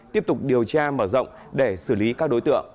tiếp tục điều tra mở rộng để xử lý các đối tượng